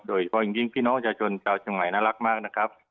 โดยเฉพาะจริงพี่น้องชาชนชาวชมัยน่ารักมากนะครับ